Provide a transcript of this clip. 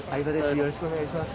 よろしくお願いします。